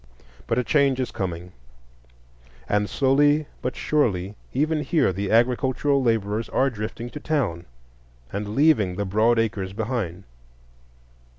But a change is coming, and slowly but surely even here the agricultural laborers are drifting to town and leaving the broad acres behind.